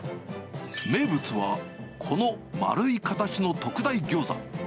名物は、この丸い形の特大ギョーザ。